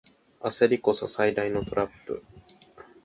焦りこそ最大のトラップ